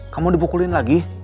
kamu dipukulin lagi